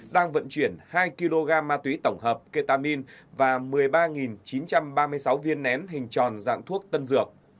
đang vận chuyển hai kg ma túy tổng hợp ketamin và một mươi ba chín trăm ba mươi sáu viên nén hình tròn dạng thuốc tân dược